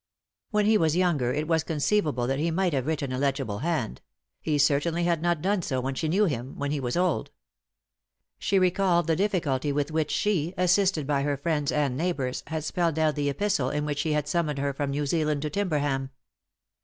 When he was younger it was conceivable that he might have written a legible hand ; he certainly had not done so when she knew him, when he was old. She recalled the difficulty with which she, assisted by her friends and neighbours, had spelled out the epistle in which he had summoned her from New Zealand to Timberham.